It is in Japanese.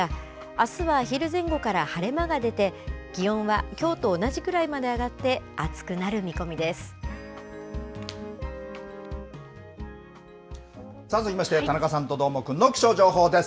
あすは昼前後から晴れ間が出て、気温はきょうと同じくらいまで上さあ、続きまして、田中さんとどーもくんの気象情報です。